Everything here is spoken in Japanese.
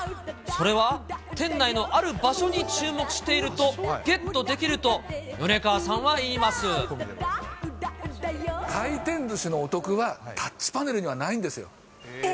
それは、店内のある場所に注目しているとゲットできると米川さんは言いま回転ずしのお得は、タッチパネルにはないんですよ。